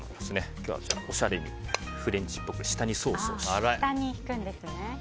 今日はおしゃれにフレンチっぽく下にソースを。